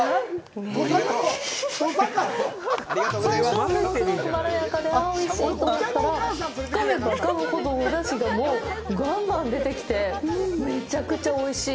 最初は、物すごくまろやかで、あーおいしいと思ったら、かめばかむほど、お出汁がもう、がんがん出てきて、めちゃくちゃおいしい。